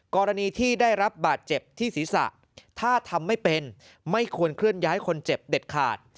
กรณีที่ได้รับบาดเจ็บที่ศีรษะถ้าทำไม่เป็นไม่ควรเคลื่อนย้ายคนเจ็บเด็ดขาด